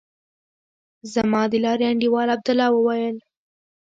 زما د لارې انډيوال عبدالله وويل.